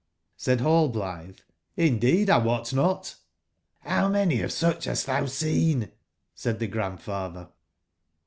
Said Rallblitbe: ''Indeed 1 wot not"^'' How many of sucb bast tbou seen ?'* said tbe Grandfatber.